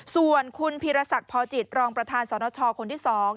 ส่วนคุณพิรสักพจิตรองประทานสชฯคนที่สอง